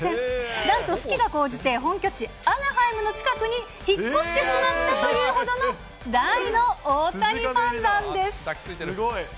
なんと好きが高じて本拠地、アナハイムの近くに引っ越してしまったというほどの大の大谷ファンなんです。